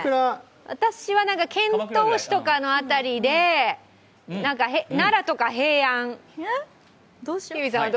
私は遣唐使とかの辺りで、奈良とか平安。